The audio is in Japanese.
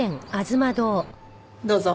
どうぞ。